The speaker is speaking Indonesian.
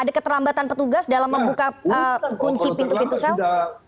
ada keterlambatan petugas dalam membuka kunci pintu pintu sel